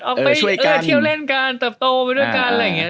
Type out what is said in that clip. ออกไปเที่ยวเล่นกันเติบโตไปด้วยกันอะไรอย่างนี้